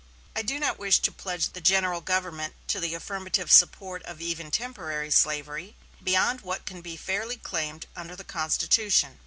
I do not wish to pledge the general government to the affirmative support of even temporary slavery beyond what can be fairly claimed under the Constitution.